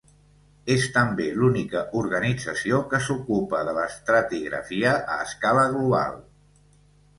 És també l'única organització que s'ocupa de l'estratigrafia a escala global.